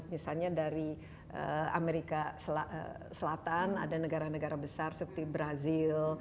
misalnya dari amerika selatan ada negara negara besar seperti brazil